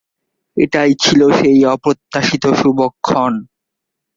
এটাই ছিল সেই অপ্রত্যাশিত শুভক্ষণ।